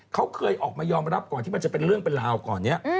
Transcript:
เขาเคยออกมายอมรับก่อนที่มันจะเป็นเรื่องเป็นราวก่อนนี้